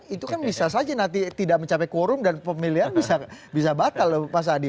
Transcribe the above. itu kan bisa saja nanti tidak mencapai quorum dan pemilihan bisa batal loh mas adi